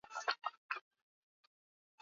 Mishahara ya wafanyakazi imechelewa